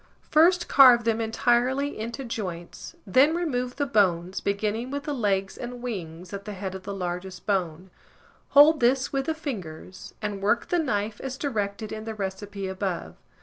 First carve them entirely into joints, then remove the bones, beginning with the legs and wings, at the head of the largest bone; hold this with the fingers, and work the knife as directed in the recipe above.